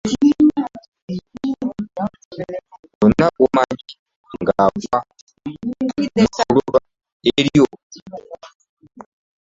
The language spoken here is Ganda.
Olina gw'omanyi ng'agwa mu ttuluba eryo?